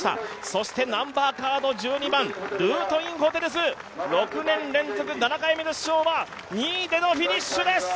そして１２番、ルートインホテルズ、６年連続７回目の出場は２位でのフィニッシュです